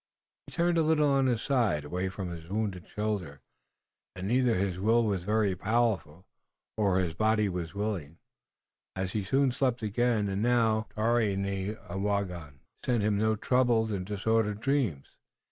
He turned a little on his side, away from his wounded shoulder, and either his will was very powerful or his body was willing, as he soon slept again, and now Tarenyawagon sent him no troubled and disordered dreams.